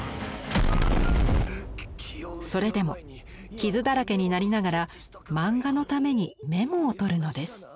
それでも傷だらけになりながら漫画のためにメモをとるのです。